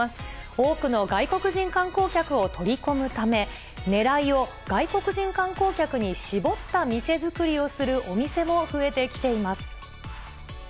多くの外国人観光客を取り込むため、狙いを外国人観光客に絞った店作りをするお店も増えてきています。